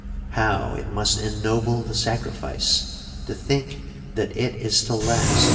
How it must ennoble the sacrifice to think that it is to last to eternity!'